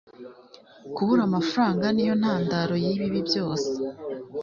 kubura amafaranga niyo ntandaro y'ibibi byose